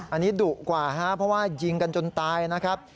อันนี้ดุกว่าฮะเพราะว่ายิงกันจนตายนะครับ